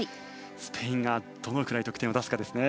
スペインがどのくらい得点を出すかですね。